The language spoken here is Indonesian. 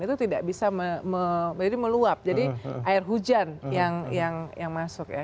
itu tidak bisa meluap jadi air hujan yang masuk ya